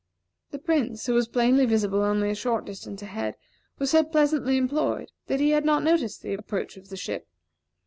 The Prince, who was plainly visible only a short distance ahead, was so pleasantly employed that he had not noticed the approach of the ship.